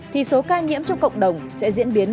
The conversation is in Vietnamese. thì số ca nhiễm trong cộng đồng sẽ diễn biến